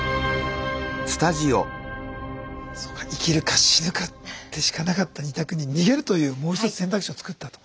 そうか生きるか死ぬかでしかなかった２択に逃げるというもう一つ選択肢を作ったと。